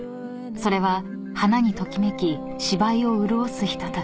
［それは花にときめき芝居を潤すひととき］